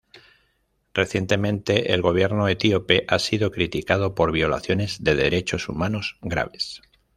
Recientemente, el gobierno etíope ha sido criticado por violaciones de derechos humanos graves.